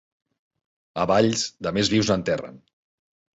A Valls, de més vius n'enterren.